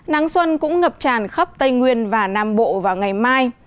nắng xuân cũng ngập tràn khắp tây nguyên và nam bộ vào ngày mai